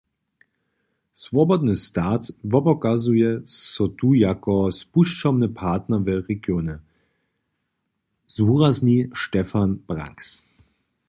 Swobodny stat wopokaza so tu jako spušćomny partner w regionje, zwurazni Stefan Brangs.